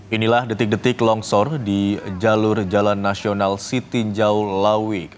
inilah detik detik longsor di jalur jalan nasional sitinjau lawi